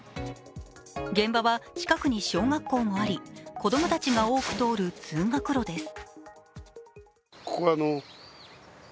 現場は近くに小学校もあり、子供たちが多く通る通学路です。